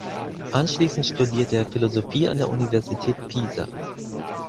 Anschließend studierte er Philosophie an der Universität Pisa.